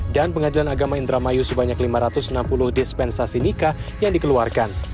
dan pengadilan agama indramayu sebanyak lima ratus enam puluh dispensasi nikah yang dikeluarkan